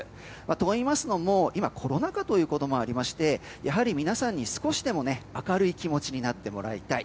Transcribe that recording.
といいますのも今、コロナ禍ということもあり皆さんに少しでも明るい気持ちになってもらいたい。